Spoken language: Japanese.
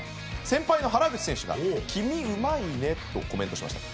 先輩の原口選手が「君うまいね」とコメントしました。